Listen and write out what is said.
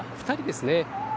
２人ですね。